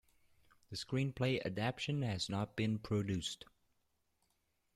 The screenplay adaptation has not been produced.